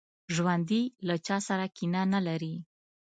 ژوندي له چا سره کینه نه لري